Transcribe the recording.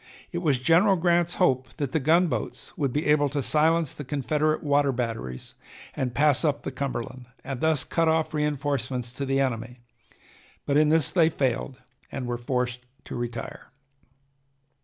It was General Grant's hope that the gunboats would be able to silence the Confederate water batteries and pass up the Cumberland, and thus cut off reinforcements to the enemy, but in this they failed and were forced to retire.